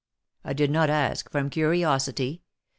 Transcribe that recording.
I did not ask from curiosity.